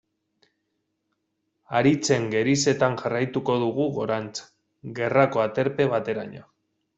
Haritzen gerizetan jarraituko dugu gorantz, gerrako aterpe bateraino.